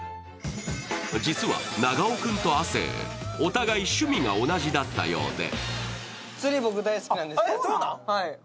実は長尾君と亜生、お互い趣味が同じだったようで。